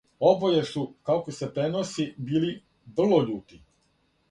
Обоје су, како се преноси, били врло љути.